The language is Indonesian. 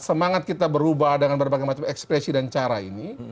semangat kita berubah dengan berbagai macam ekspresi dan cara ini